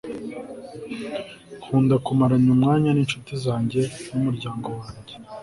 nkunda kumarana umwanya n'incuti zanjye n'umuryango wanjye